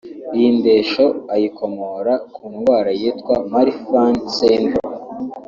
Iyi ndeshyo ayikomora ku ndwara yitwa ‘Marfan Syndrome’